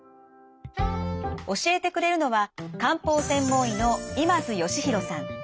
教えてくれるのは漢方専門医の今津嘉宏さん。